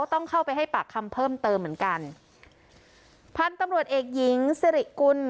ต้องเข้าไปให้ปากคำเพิ่มเติมเหมือนกันพันธุ์ตำรวจเอกหญิงสิริกุล